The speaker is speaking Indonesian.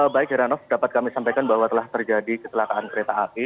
baik heranov dapat kami sampaikan bahwa telah terjadi kecelakaan kereta api